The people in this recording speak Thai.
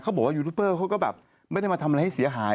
บอกว่ายูทูปเปอร์เขาก็แบบไม่ได้มาทำอะไรให้เสียหาย